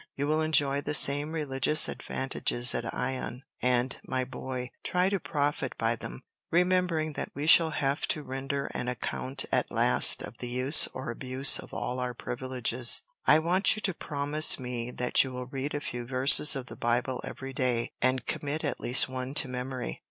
"You will enjoy the same religious advantages at Ion, and, my boy, try to profit by them, remembering that we shall have to render an account at last of the use or abuse of all our privileges. I want you to promise me that you will read a few verses of the Bible every day, and commit at least one to memory."